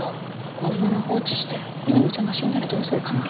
このまま放置して水面ちゃんが死んだらどうするつもり？